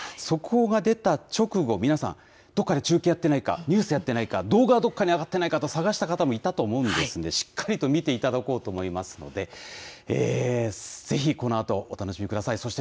速報が出た直後、皆さん、どこかで中継やってないか、ニュースやってないか、動画はどこかに上がってないかと、探した方もいたと思うんで、しっかりと見ていただこうと思いますので、ぜひこのあと、お楽しみください。